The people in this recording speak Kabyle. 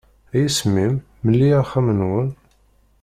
A yisem-im, mmel-iyi axxam-nwen.